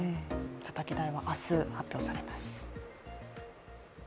たたき台は明日、発表されます。